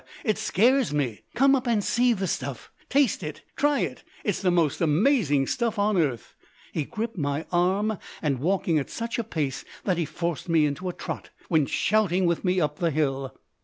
It scares me. Come up and see the stuff. Taste it! Try it! It's the most amazing stuff on earth." He gripped my arm and, walking at such a pace that he forced me into a trot, went shouting with me up the hill.